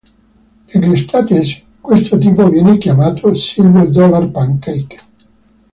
Negli States questo tipo viene chiamato "silver dollar pancake".